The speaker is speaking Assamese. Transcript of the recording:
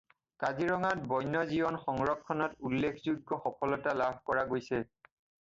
কাজিৰঙাত বন্যজীৱন সংৰক্ষণত উল্লেখযোগ্য সফলতা লাভ কৰা গৈছে।